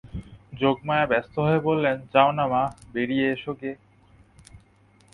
যোগমায়া ব্যস্ত হয়ে বললেন, যাও-না মা, বেড়িয়ে এসো গে।